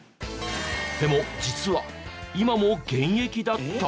でも実は今も現役だった！？